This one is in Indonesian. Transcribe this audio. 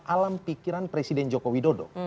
alam pikiran presiden jokowi dodo